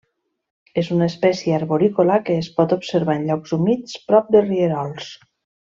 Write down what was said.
És una espècie arborícola que es pot observar en llocs humits prop de rierols.